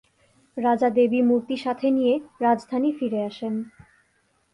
রাজা দেবী মূর্তি সাথে নিয়ে রাজধানী ফিরে আসেন।